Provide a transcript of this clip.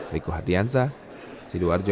riku hadiansah sido arjo